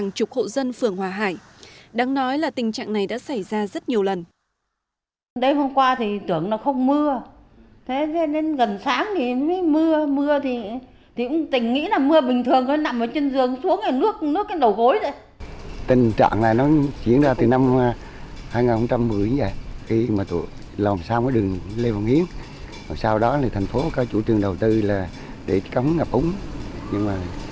hàng chục hộ dân phường hòa hải đang nói là tình trạng này đã xảy ra rất nhiều lần